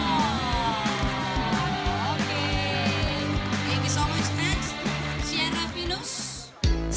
terima kasih banyak sierra finus